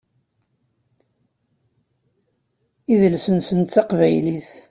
Idles-nsen d taqbaylit.